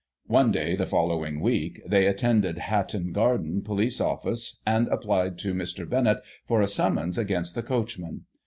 One day, the following week, they attended Hatton Garden PoHce Office and applied to Mr. Benett for a summons against the coachman.